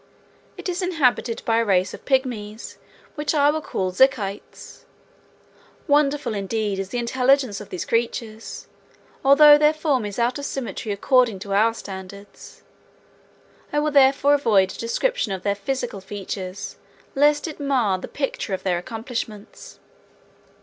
It is inhabited by a race of pigmies which I will call Zikites. Wonderful indeed is the intelligence of these creatures, although their form is out of symmetry according to our standards. I will therefore avoid a description of their physical features, lest it might mar the picture of their accomplishments.